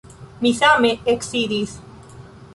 Mi same eksidis.